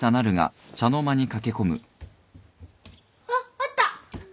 あっあった！